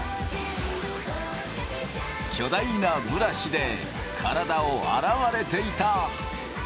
巨大なブラシで体を洗われていた。